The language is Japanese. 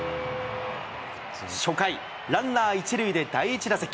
初回、ランナー１塁で第１打席。